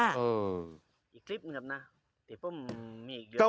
อีกคลิปหนึ่งครับนะ